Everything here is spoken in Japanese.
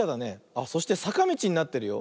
あっそしてさかみちになってるよ。